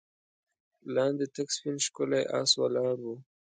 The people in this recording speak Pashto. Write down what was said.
لاندې تک سپين ښکلی آس ولاړ و.